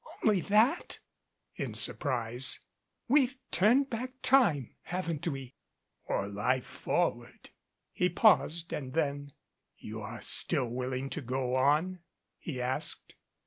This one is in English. "Only that?" in surprise. "We've turned time back ward, haven't we ?" "Or lif e forward," he paused and then : "You are still willing to go on?" he asked.